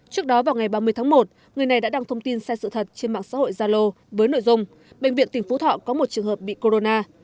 trước đó vào ngày ba mươi tháng một người này đã đăng thông tin sai sự thật trên mạng xã hội zalo với nội dung bệnh viện tỉnh phú thọ có một trường hợp bị corona